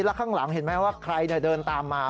แล้วข้างหลังเห็นมั้ยว่าใครเนี่ยเดินตามมา